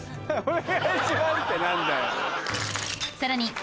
お願いしますって何だよ！